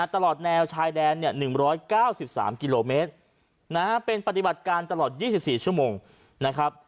ตลอดแนวชายแดน๑๙๓กิโลเมตรเป็นปฏิบัติการตลอด๒๔ชั่วโมงนะครับ